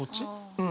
うん。